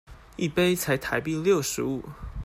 一杯才台幣六十五